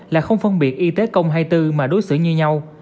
là không phân biệt y tế công hay tư mà đối xử như nhau